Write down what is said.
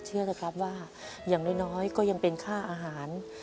เชื่อเถอะครับว่าอย่างน้อยก็ยังเป็นค่าอาหาร